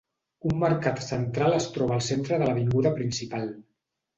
Un mercat central es troba al centre a l'avinguda principal.